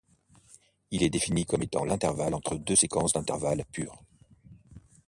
Il est défini comme étant l’intervalle entre deux séquences d’intervalles purs.